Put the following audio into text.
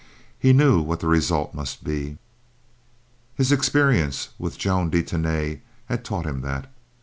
He knew what the result must be. His experience with Joan de Tany had taught him that.